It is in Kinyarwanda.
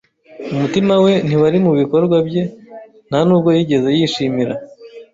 Umutima we ntiwari mubikorwa bye, nta nubwo yigeze yishimira.